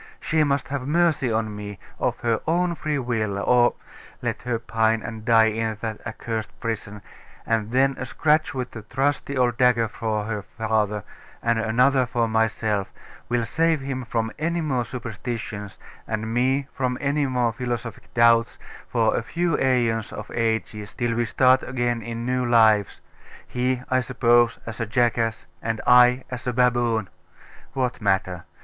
She must have mercy on me, of her own free will, or let her pine and die in that accursed prison; and then a scratch with the trusty old dagger for her father, and another for myself, will save him from any more superstitions, and me from any more philosophic doubts, for a few aeons of ages, till we start again in new lives he, I suppose, as a jackass, and I as a baboon. What matter?